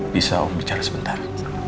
bisa om bicara sebentar